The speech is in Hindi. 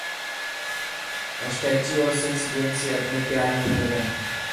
'स्टैच्यू और सेक्स' गेम से अपने प्यार में भरें रंग